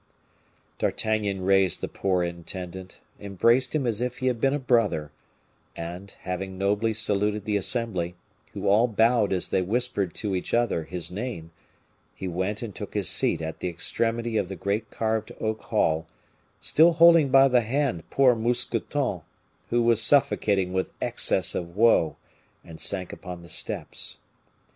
D'Artagnan raised the poor intendant, embraced him as if he had been a brother, and, having nobly saluted the assembly, who all bowed as they whispered to each other his name, he went and took his seat at the extremity of the great carved oak hall, still holding by the hand poor Mousqueton, who was suffocating with excess of woe, and sank upon the steps.